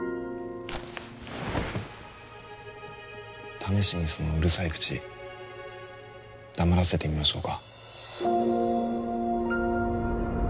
試しにそのうるさい口黙らせてみましょうか？